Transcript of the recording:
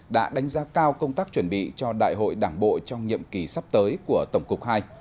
đã đánh giá cao công tác chuẩn bị cho đại hội đảng bộ trong nhiệm kỳ sắp tới của tổng cục ii